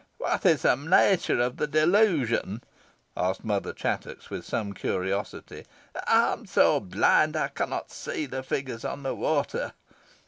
"What is the nature of the delusion?" asked Mother Chattox, with some curiosity. "I am so blind I cannot see the figures on the water."